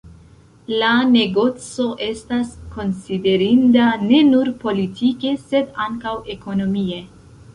La negoco estas konsiderinda ne nur politike, sed ankaŭ ekonomie.